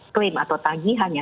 klaim atau tagihan ya